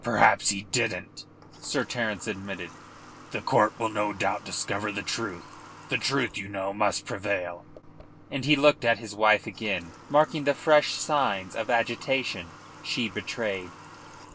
"Perhaps he didn't," Sir Terence admitted. "The court will no doubt discover the truth. The truth, you know, must prevail," and he looked at his wife again, marking the fresh signs of agitation she betrayed.